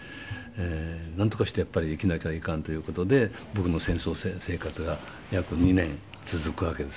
なんとかしてやっぱり生きなきゃいかんという事で僕の戦争生活が約２年続くわけです。